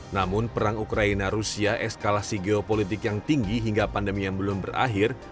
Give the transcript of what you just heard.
namun perang ukraina rusia eskalasi geopolitik yang tinggi hingga pandemi yang belum berakhir